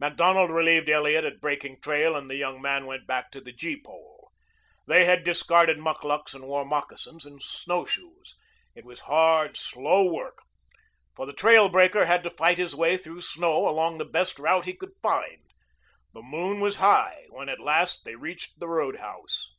Macdonald relieved Elliot at breaking trail and the young man went back to the gee pole. They had discarded mukluks and wore moccasins and snowshoes. It was hard, slow work, for the trail breaker had to fight his way through snow along the best route he could find. The moon was high when at last they reached the roadhouse.